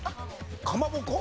かまぼこ。